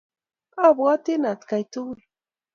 Abwatin atkei tugul